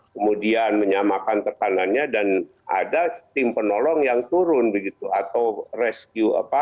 kemudian menyamakan tekanannya dan ada tim penolong yang turun begitu atau rescue apa